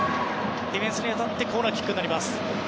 ディフェンスに当たってコーナーキック。